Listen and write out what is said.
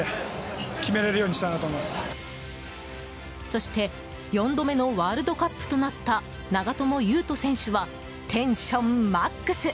そして４度目のワールドカップとなった長友佑都選手はテンションマックス！